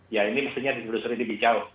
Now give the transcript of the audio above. ya ini mestinya ditelusuri lebih jauh